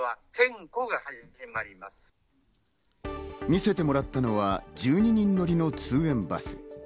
見せてもらったのは１２人乗りの通園バス。